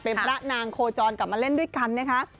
เป็นพระนางโคจรกลับมาเล่นด้วยกันนะคะ